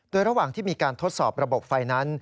โดยระหว่างที่มีการทดสอบระบบไฟนั้น